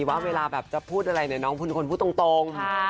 ว่าเวลาแบบจะพูดอะไรเนี่ยน้องเป็นคนพูดตรง